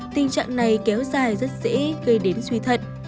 tình trạng này kéo dài rất dễ gây đến suy thận